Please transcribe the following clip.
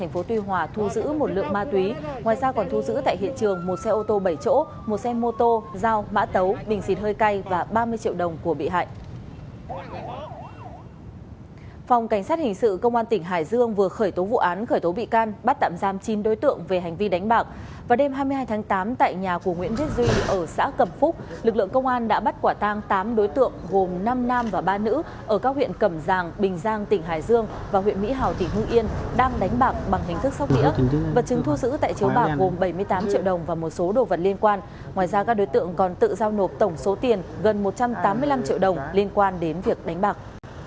ngoài ra các đối tượng còn tự giao nộp tổng số tiền gần một trăm tám mươi năm triệu đồng liên quan đến việc đánh bạc